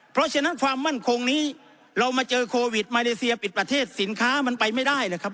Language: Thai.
เพราะฉะนั้นความมั่นคงนี้เรามาเจอโควิดมาเลเซียปิดประเทศสินค้ามันไปไม่ได้นะครับ